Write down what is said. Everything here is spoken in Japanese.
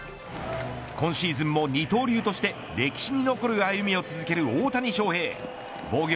今シーズンも二刀流として歴史に残る歩みを続ける大谷翔平。